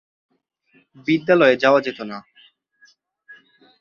বিদ্যালয়ে যাওয়া যেত না।